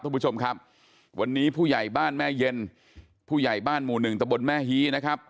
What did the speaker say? คุณผู้ชมครับวันนี้ผู้ใหญ่บ้านแม่เย็นผู้ใหญ่บ้านหมู่หนึ่งตะบนแม่ฮีนะครับ